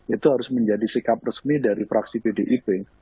itu harus menjadi sikap resmi dari fraksi pdip